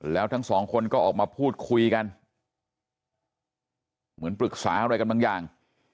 แล้วทั้งสองคนก็ออกมาพูดคุยกันเหมือนปรึกษาอะไรกันบางอย่าง